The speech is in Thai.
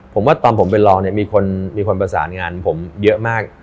ผมว่าตอนไปหลอกมีคนประสานงานผมเยอะมาก